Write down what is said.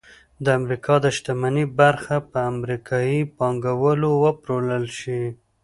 د امریکا د شتمنۍ برخه په امریکايي پانګوالو وپلورل شي